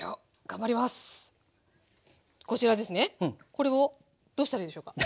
これをどうしたらいいでしょうか。